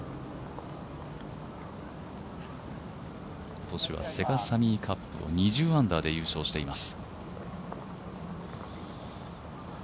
今年はセガサミーカップを２０アンダーで優勝しています。